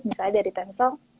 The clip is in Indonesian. misalnya dari tag